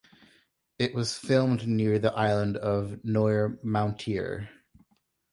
It was filmed near the island of Noirmoutier.